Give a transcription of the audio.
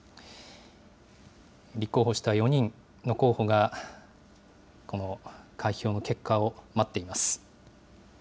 立候補した４人の候補が、この開票の結果を待っています。